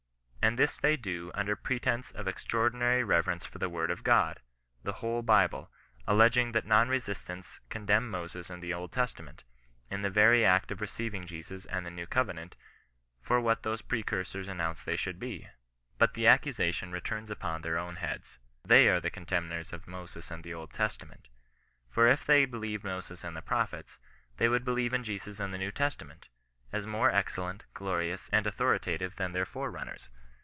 And this they do under pretence of extraordinary reverence for the word of God — the whole Bible ; alleging that non resistants contemn Moses and the Old Testament, in the very act of receiving Jesus and the new covenant for what those precursors an nounced they should be. But the accusation returns upon their own heads. They are the contemners of Moses and the Old Testament. For if they believed Moses and the prophets, they would believe in Jesus and the New Testament, as more excellent, glorious, and authoritative than their forerunners.